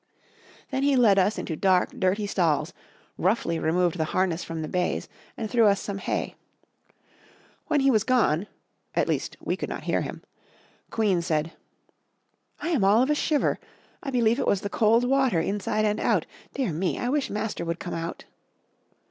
Then he led us into dark, dirty stalls, roughly removed the harness from the bays and threw us some hay. When he was gone, at least we could not hear him, Queen said: "I am all of a shiver; I believe it was the cold water inside and out. Dear me, I wish Master would come out."